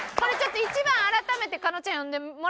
１番改めて加納ちゃん読んでもらっていい？